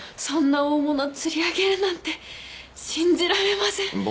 そんな大物釣り上げるなんて信じられません。